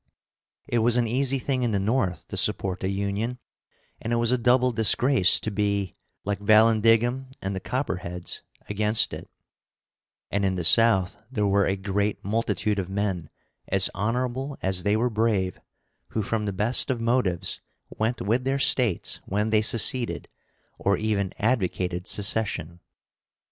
It was an easy thing in the North to support the Union, and it was a double disgrace to be, like Vallandigham and the Copperheads, against it; and in the South there were a great multitude of men, as honorable as they were brave, who, from the best of motives, went with their States when they seceded, or even advocated secession.